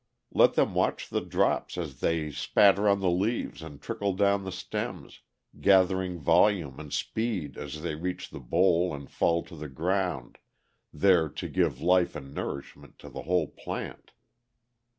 Let them watch the drops as they spatter on the leaves and trickle down the stems, gathering volume and speed as they reach the bole and fall to the ground, there to give life and nourishment to the whole plant.